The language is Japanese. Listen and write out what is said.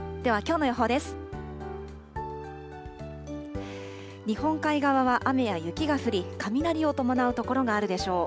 日本海側は雨や雪が降り、雷を伴う所があるでしょう。